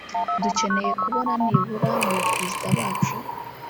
dukeneye kubona nibura mu Baperezida bacu